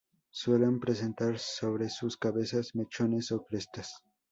Suelen presentar sobre sus cabezas mechones o crestas.